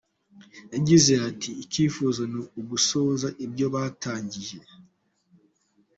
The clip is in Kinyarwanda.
Yagize ati: “ikifuzo ni ugusoza ibyo batangiye.